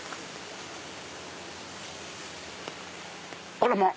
あらまぁ！